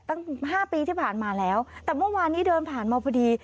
ตั้งห้าปีที่ผ่านมาแล้วแต่เมื่อวานนี้เดินผ่านมาพอดี